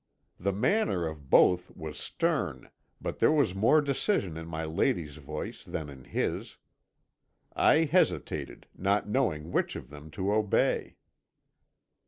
"The manner of both was stern, but there was more decision in my lady's voice than in his. I hesitated, not knowing which of them to obey.